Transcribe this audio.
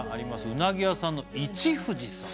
うなぎ屋さんの一富士さん